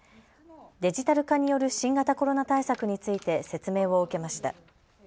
デジタル化による新型コロナ対策について説明を受けました。